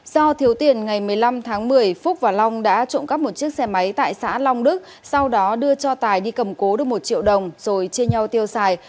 do thiếu tiền ngày một mươi năm tháng một mươi phúc và long đã trộm cắp một chiếc xe máy tại xã long đức sau đó đưa cho tài đi cầm cố được một triệu đồng rồi chia nhau tiêu xài